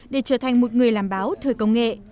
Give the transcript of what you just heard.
để trở thành một người làm báo thời công nghệ